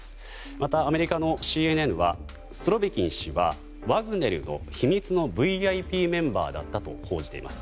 また、アメリカのＣＮＮはスロビキン氏はワグネルの秘密のＶＩＰメンバーだったと報じています。